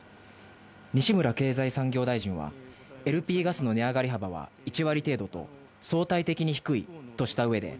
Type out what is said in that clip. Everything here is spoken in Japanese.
西村経済産業大臣は、ＬＰガスの値上がり幅は１割程度と、相対的に低いとしたうえで、